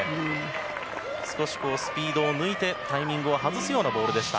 少しスピードを抜いてタイミングを外すようなボールでした。